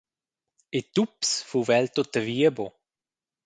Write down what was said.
E tups fuva el tuttavia buc.